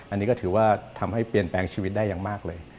อันนี้ก็ถือว่าทำให้เปลี่ยนแปลงชีวิตได้อย่างมากเลย